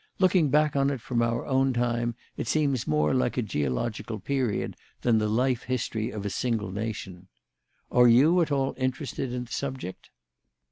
Looking back on it from our own time, it seems more like a geological period than the life history of a single nation. Are you at all interested in the subject?"